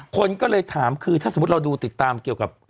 คนก็เลยถามคือถ้าสมมุติเราดูติดตามเกี่ยวกับ